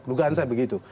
dugaan saya begitu